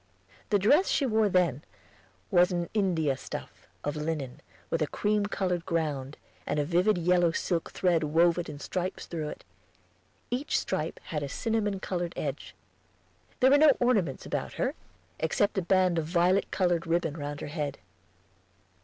The dress she wore then was an India stuff, of linen, with a cream colored ground, and a vivid yellow silk thread woven in stripes through it; each stripe had a cinnamon colored edge. There were no ornaments about her, except a band of violet colored ribbon round her head.